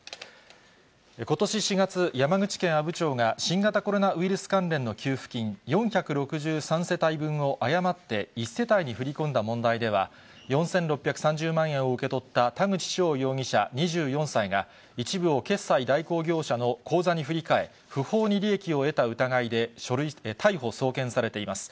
ことし４月、山口県阿武町が、新型コロナウイルス関連の給付金４６３世帯分を誤って１世帯に振り込んだ問題では、４６３０万円を受け取った田口翔容疑者２４歳が、一部を決済代行業者の口座に振り替え、不法に利益を得た疑いで逮捕・送検されています。